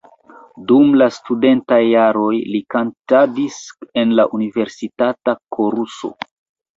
Dum la studentaj jaroj li kantadis en la universitata koruso.